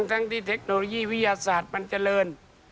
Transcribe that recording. ทั้งที่เทคโนโลยีวิทยาศาสตร์มันเจริญ